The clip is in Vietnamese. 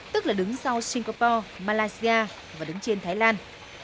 tức là đứng sau singapore malaysia và đứng trên thái lan